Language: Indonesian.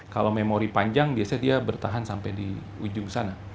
kalau memori panjang biasanya dia bertahan sampai di ujung sana